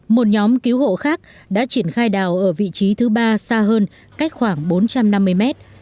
một nhóm cứu hộ khác đã triển khai đào ở vị trí thứ ba xa hơn cách khoảng bốn trăm năm mươi mét